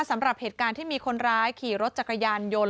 สำหรับเหตุการณ์ที่มีคนร้ายขี่รถจักรยานยนต์